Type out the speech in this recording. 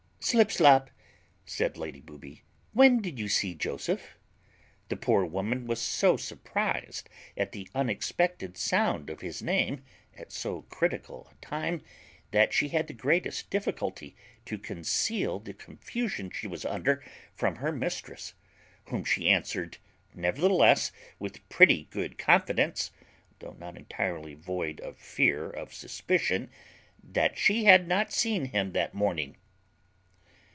"Slipslop," said Lady Booby, "when did you see Joseph?" The poor woman was so surprized at the unexpected sound of his name at so critical a time, that she had the greatest difficulty to conceal the confusion she was under from her mistress; whom she answered, nevertheless, with pretty good confidence, though not entirely void of fear of suspicion, that she had not seen him that morning.